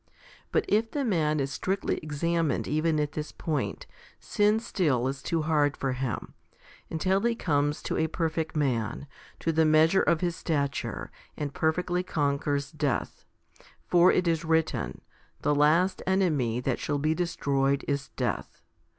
But if the man is strictly examined even at this point, sin still is too hard for him, until he comes to a perfect man, to the measure of his stature,* and perfectly conquers death; for it is written The last enemy that shall be destroyed is death.